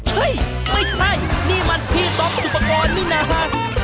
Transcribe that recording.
เฮ้ยไม่ใช่นี่มันพี่ต๊อกสุปกรณ์นี่นะฮะ